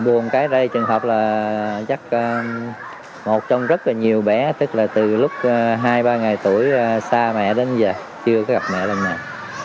buồn cái đây trường hợp là chắc một trong rất là nhiều bé tức là từ lúc hai ba ngày tuổi xa mẹ đến giờ chưa có gặp mẹ lần này